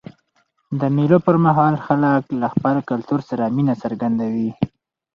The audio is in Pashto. د مېلو پر مهال خلک له خپل کلتور سره مینه څرګندوي.